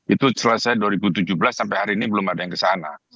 itu selesai dua ribu tujuh belas sampai hari ini belum ada yang kesana